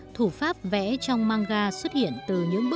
thủ pháp vẽ trong manga xuất hiện từ những bước